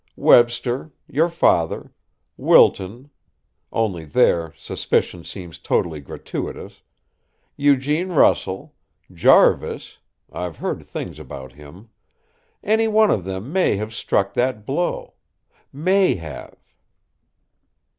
Webster, your father, Wilton only there, suspicion seems totally gratuitous Eugene Russell, Jarvis I've heard things about him any one of them may have struck that blow may have."